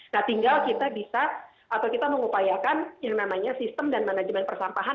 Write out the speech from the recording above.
nah tinggal kita bisa atau kita mengupayakan yang namanya sistem dan manajemen persampahan